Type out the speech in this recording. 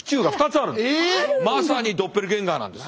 まさにドッペルゲンガーなんです。